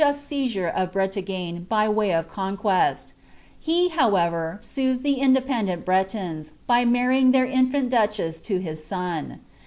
Henry had made most anjnst seizure of Bretagne, by way of conquest ; he, however, soothed the independent Bretons, by marrying their infiuit duchess to his son.